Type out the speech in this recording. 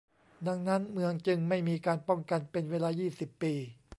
ดังนั้นเมืองจึงไม่มีการป้องกันเป็นเวลายี่สิบปี